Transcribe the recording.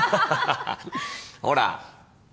ほら！